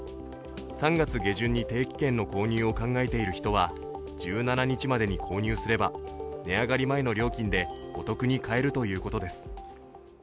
３月下旬に定期券の購入を考えている人は１７日までに購入すれば値上がり前の料金でお得に買えるということです。